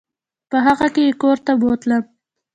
په هغه کې یې کور ته بوتلم.